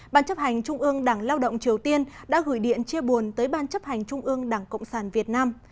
ban chấp hành trung ương đảng lao động triều tiên đã gửi điện chia buồn tới ban chấp hành trung ương đảng cộng sản việt nam